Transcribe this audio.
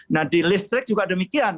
nah di listrik juga demikian